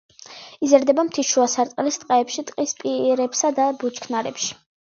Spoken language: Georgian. იზრდება მთის შუა სარტყელის ტყეებში, ტყის პირებსა და ბუჩქნარებში.